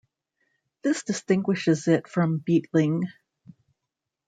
This distinguishes it from Beetling.